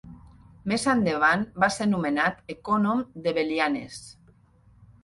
Més endavant va ser nomenat ecònom de Belianes.